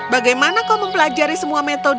bagaimana kau mempelajari semua makanan puma